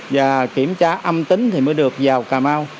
và kiểm tra âm tính thì mới được vào cà mau